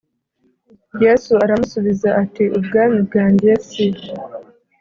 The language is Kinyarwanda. Yesu aramusubiza ati ubwami bwanjye si